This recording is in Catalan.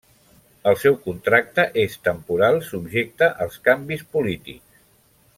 El seu contracte és temporal subjecte als canvis polítics.